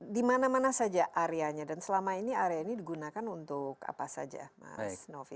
di mana mana saja areanya dan selama ini area ini digunakan untuk apa saja mas novi